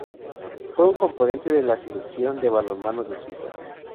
Fue un componente de la Selección de balonmano de Suiza.